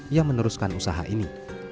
yang meneruskan usaha ini